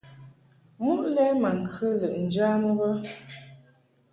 Muʼ lɛ ma ŋkɨ lɨʼ njamɨ bə.